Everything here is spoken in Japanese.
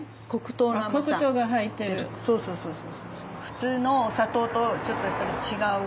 普通のお砂糖とちょっとやっぱり違う。